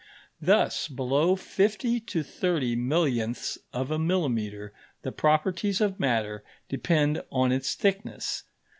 Thus, below fifty to thirty millionths of a millimetre the properties of matter depend on its thickness.